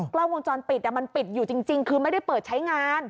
กล้องวงจรปิดมันปิดอยู่จริงคือไม่ได้เปิดใช้งาน